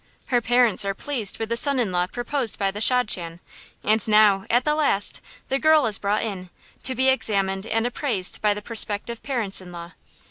Her parents are pleased with the son in law proposed by the shadchan, and now, at the last, the girl is brought in, to be examined and appraised by the prospective parents in law.